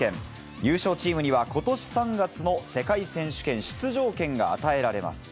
優勝チームには、ことし３月の世界選手権出場権が与えられます。